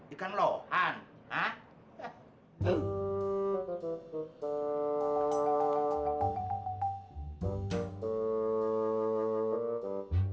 ikan lohan hah